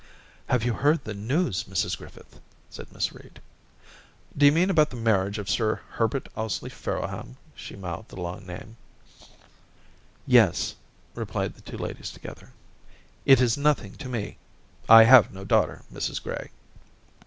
* Have you heard the news, Mrs Griffith ?' said Miss Reed. ' D'you mean about the marriage of Sir Herbert Ously Farrowham ?* She mouthed the long name. R 258 Orientations *Yes/ replied the two ladies together. * 1 1 is nothing to me. ... I have no daughter, Mrs Gray.'